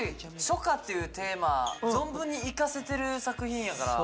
「初夏」っていうテーマ存分に生かせてる作品やから。